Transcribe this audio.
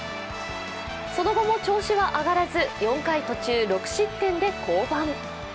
その後も調子は上がらず４回途中６失点で降板。